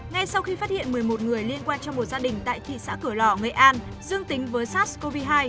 ngay sau khi phát hiện một mươi một người liên quan trong một gia đình tại thị xã cửa lò nghệ an dương tính với sars cov hai